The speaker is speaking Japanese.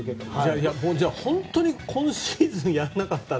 本当に今シーズンやらなかったら